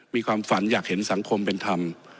มีความฝันอยากเห็นสังคมเป็นธรรม